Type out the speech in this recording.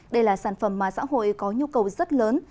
đây là sản phẩm mà xã hội có nhu cầu rất lớn